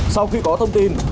sau khi có thông tin